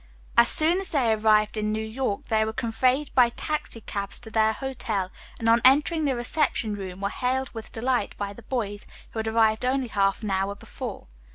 As soon as they arrived in New York they were conveyed by taxicabs to their hotel and on entering the reception room were hailed with delight by the boys, who had arrived only half an hour before.